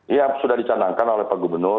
ya sudah dicanangkan oleh pak gubernur